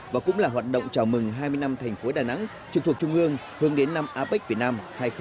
và cũng là hoạt động chào mừng hai mươi năm thành phố đà nẵng trực thuộc trung ương hướng đến năm apec việt nam hai nghìn hai mươi